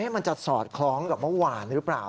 มันจะสอดคล้องกับเมื่อวานหรือเปล่า